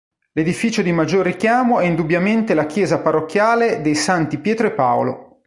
L'edificio di maggior richiamo è indubbiamente la chiesa parrocchiale dei Santi Pietro e Paolo.